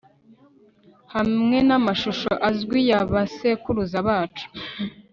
Hamwe namashusho azwi ya basekuruza bacu